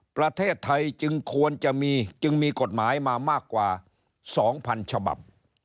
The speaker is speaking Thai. ประเทศไทยจึงควรจะมีจึงมีกฎหมายมามากกว่า๒๐๐๐ฉบับ